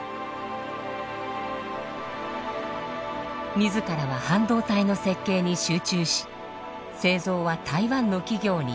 自らは半導体の設計に集中し製造は台湾の企業に委託。